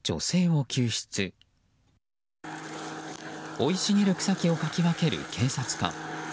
生い茂る草木をかき分ける警察官。